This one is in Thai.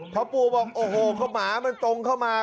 พ่อปู่บอกโอ้โหหมามันตรงเข้ามา